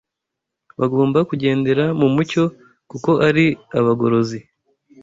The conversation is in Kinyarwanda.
Bagomba kugendera mu mucyo, kuko ari abagorozi.